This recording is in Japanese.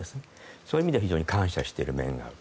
そういう意味で非常に感謝している面がある。